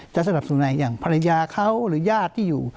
จะสนับสนับสนับอย่างภรรยาเขาหรือยาดที่อยู่